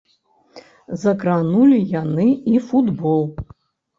Закранулі яны і футбол.